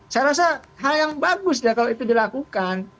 saya rasa hal yang bagus kalau itu dilakukan